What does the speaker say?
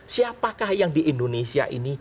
siapakah yang di indonesia ini